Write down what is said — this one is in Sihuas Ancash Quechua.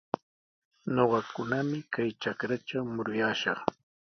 Ñuqakunami kay trakratraw muruyaashaq.